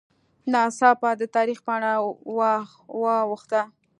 ناڅاپه د تاریخ پاڼه واوښته